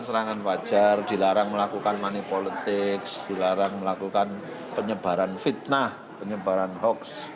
serangan wajar dilarang melakukan money politics dilarang melakukan penyebaran fitnah penyebaran hoax